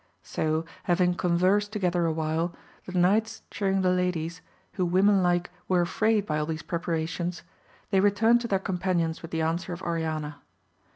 So having conversed together awhile, the knights cheering the ladies, who women like were affrayed by all these preparations, they re turned to their companions with the answer of Oriana.